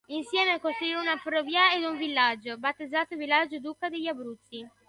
Insieme costruirono una ferrovia ed un villaggio, battezzato Villaggio Duca degli Abruzzi.